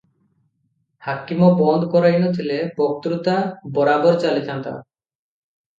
ହାକିମ ବନ୍ଦ କରାଇ ନ ଥିଲେ ବତ୍କୃତା ବରାବର ଚାଲିଥାନ୍ତା ।